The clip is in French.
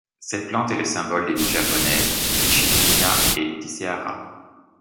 Cette plante est le symbole des villes japonaises d'Ichinomiya et d'Isehara.